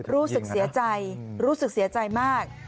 รู้สึกเสียใจรู้สึกเสียใจมาก